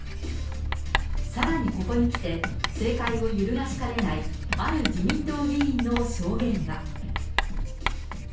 さらにここにきて、政界を揺るがしかねない、ある自民党議員の証言が。